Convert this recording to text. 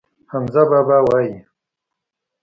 حمزه بابا وايي.